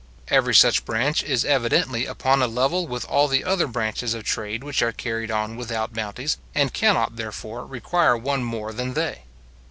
Every such branch is evidently upon a level with all the other branches of trade which are carried on without bounties, and cannot, therefore, require one more than they.